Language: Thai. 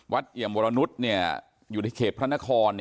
วัดเอี่ยมวอลนุษณ์อยู่ในเขตพระนคร